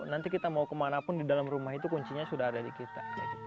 nanti kita mau kemanapun di dalam rumah itu kuncinya sudah ada di kita